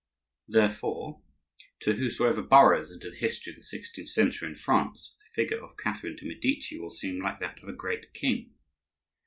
Therefore, to whosoever burrows into the history of the sixteenth century in France, the figure of Catherine de' Medici will seem like that of a great king.